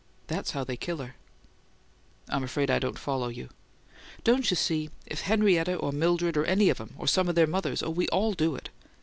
That's how they kill her." "I'm afraid I don't follow you." "Don't you see? If Henrietta or Mildred or any of 'em or some of their mothers oh, we ALL do it!